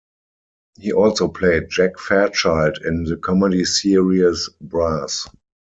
He also played Jack Fairchild in the comedy series "Brass".